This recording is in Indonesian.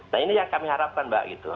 nah ini yang kami harapkan mbak gitu